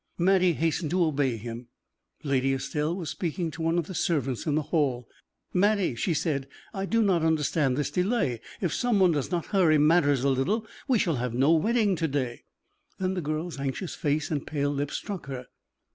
Mattie hastened to obey him. Lady Estelle was speaking to one of the servants in the hall. "Mattie," she said, "I do not understand this delay. If some one does not hurry matters a little, we shall have no wedding to day." Then the girl's anxious face and pale lips struck her.